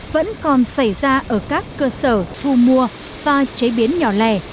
vẫn còn xảy ra ở các cơ sở thu mua và chế biến nhò lè